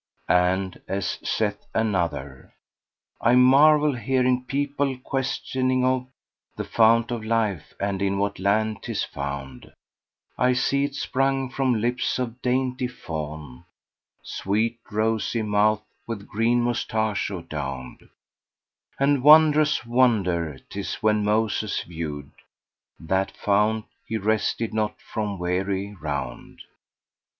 And as saith another, "I marvel hearing people questioning of * The Fount of Life and in what land 'tis found: I see it sprung from lips of dainty fawn, * Sweet rosy mouth with green mustachio down'd: And wondrous wonder 'tis when Moses viewed * That Fount, he rested not from weary round."